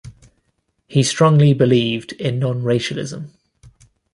He strongly believed in non-racialism.